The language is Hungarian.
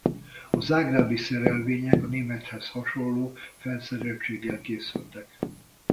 A zágrábi szerelvények a némethez hasonló felszereltséggel készültek.